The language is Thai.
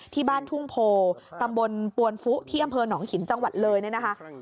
ที่บ้านทุ่งโพตำบลปวนฟุที่อำเภอหนองหินจังหวัดเลยเนี่ยนะคะ